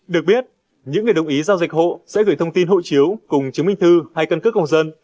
được biết những người đồng ý giao dịch hộ sẽ gửi thông tin hộ chiếu cùng chứng minh thư hay cân cước công dân